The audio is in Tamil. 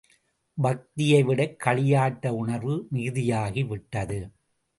பக்தியைவிட, களியாட்ட உணர்வு மிகுதியாகி விட்டது!